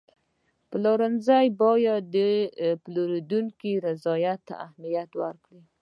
پلورنځی باید د پیرودونکو رضایت ته اهمیت ورکړي.